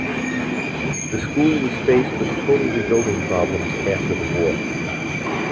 The school was faced with total rebuilding problems after the war.